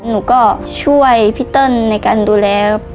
หนูก็ช่วยพี่เติ้ลในการดูแล